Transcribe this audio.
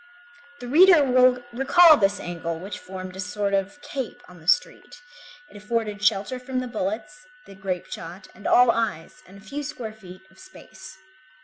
The reader will recall this angle which formed a sort of cape on the street; it afforded shelter from the bullets, the grape shot, and all eyes, and a few square feet of space.